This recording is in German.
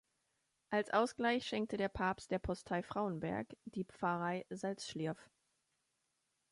Als Ausgleich schenkte der Papst der Propstei Frauenberg die Pfarrei Salzschlirf.